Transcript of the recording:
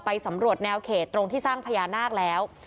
สำรวจแนวเขตตรงที่สร้างพญานาคแล้ว